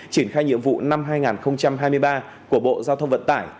triển khai nhiệm vụ năm hai nghìn hai mươi ba của bộ giao thông vận tải